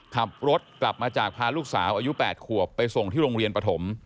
ขับรถกลับมาจากพาลูกสาวอายุ๘ขวบไปส่งที่โรงเรียนปฐม